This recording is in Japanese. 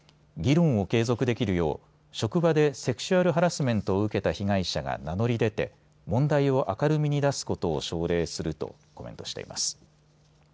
議論を継続できるよう職場でセクシュアル・ハラスメントを受けた被害者が名乗り出て問題を明るみに出すことを奨励するとコメントしています。